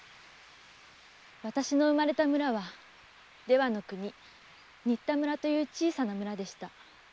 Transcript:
私の生まれた村は出羽の国新田村という小さな村でした。